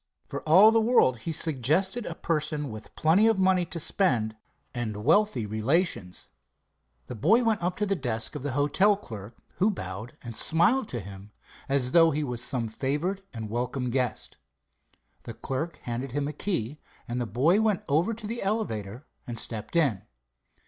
For all the world, he suggested a person with plenty of money to spend and wealthy relations. The boy went up to the desk of the hotel clerk, who bowed and smiled to him as though he was some favored and welcome guest. The clerk handed him a key, and the boy went over to the elevator and stepped in.